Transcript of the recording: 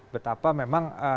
betapa memang radikalisme